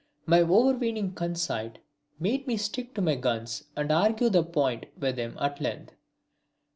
My overweening conceit made me stick to my guns and argue the point with him at length.